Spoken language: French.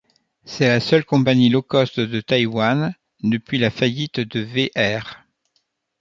C'est la seule compagnie low-cost de Taïwan depuis la faillite de V Air.